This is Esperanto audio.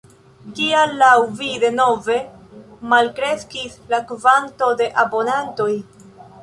Kial laŭ vi denove malkreskis la kvanto de abonantoj?